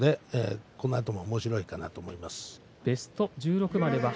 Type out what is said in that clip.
このあとおもしろいと思いますよ。